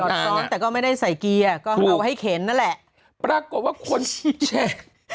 ตอนนั้นแต่ก็ไม่ได้ใส่เกียร์ก็เอาให้เข็นนั่นแหละปรากฏว่าคนชี้แจง